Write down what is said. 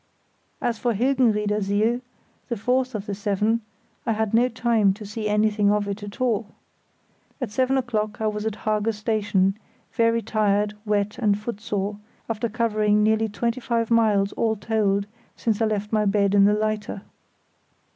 As for Hilgenriedersiel, the fourth of the seven, I had no time to see anything of it at all. At seven o'clock I was at Hage Station, very tired, wet, and footsore, after covering nearly twenty miles all told since I left my bed in the lighter.